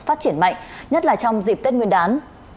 phát triển mạnh nhất là trong dịp tết nguyên đán